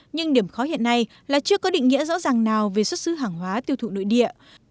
nhưng điểm khó hiện nay là chưa có định nghĩa rõ ràng nào về xuất xứ hàng hóa tiêu thụ nội địa